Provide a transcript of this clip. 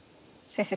先生